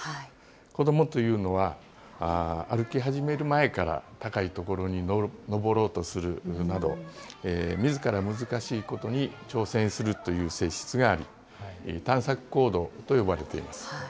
子どもというのは、歩き始める前から高い所に上ろうとするなど、みずから難しいことに挑戦するという性質があり、探索行動と呼ばれています。